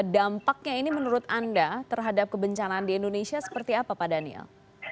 dampaknya ini menurut anda terhadap kebencanaan di indonesia seperti apa pak daniel